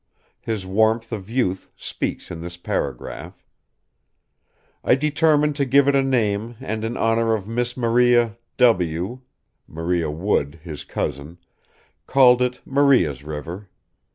His warmth of youth speaks in this paragraph: "I determined to give it a name and in honour of Miss Maria W d [Maria Wood, his cousin] called it Maria's River.